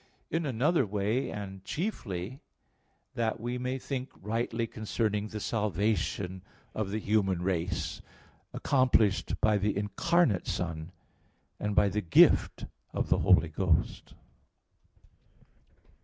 In another way, and chiefly, that we may think rightly concerning the salvation of the human race, accomplished by the Incarnate Son, and by the gift of the Holy Ghost.